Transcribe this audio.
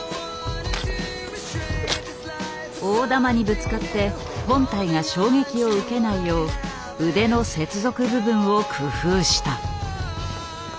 大玉にぶつかって本体が衝撃を受けないよう腕の接続部分を工夫した。